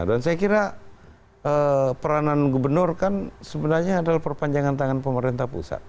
dan saya kira peranan gubernur kan sebenarnya adalah perpanjangan tangan pemerintah pusat